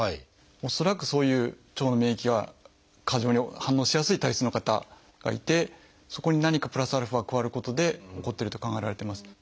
恐らくそういう腸の免疫が過剰に反応しやすい体質の方がいてそこに何かプラスアルファが加わることで起こっていると考えられています。